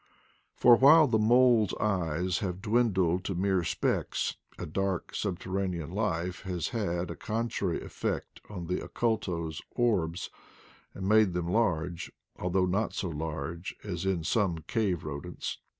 For while the mole's eyes have dwindled to mere specks, a dark subterranean life has had a con trary effect on the oculto's orbs, and made them large, although not so large as in some cave rodents.